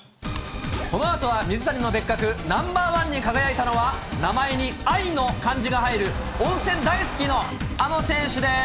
このあとは水谷のベッカクナンバー１に輝いたのは、名前に愛の漢字が入る、温泉大好きのあの選手です。